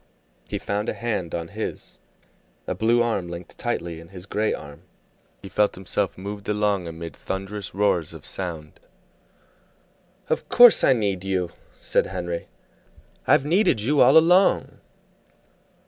He found a hand on his, a blue arm linked tightly in his gray arm, he felt himself moved along amid thunderous roars of sound. "Of course I need you!" said Henry. "I've needed you all along."